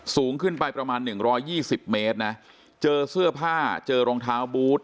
สูงขึ้นไปประมาณ๑๒๐เมตรนะเจอเสื้อผ้าเจอรองเท้าบูธ